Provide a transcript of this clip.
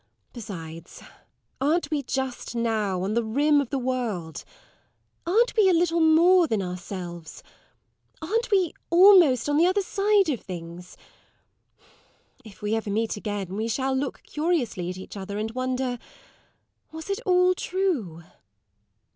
Besides, aren't we just now on the rim of the world aren't we a little more than ourselves aren't we almost on the other side of things? If we ever meet again, we shall look curiously at each other, and wonder, was it all true?